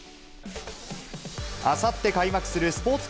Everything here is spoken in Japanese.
あさって開幕するスポーツ